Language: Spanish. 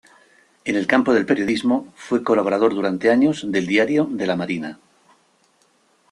En el campo del periodismo fue colaborador durante años del Diario de la Marina.